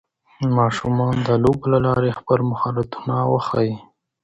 ماشومان د لوبو له لارې خپل مهارتونه وښيي